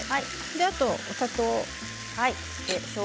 あとは、お砂糖。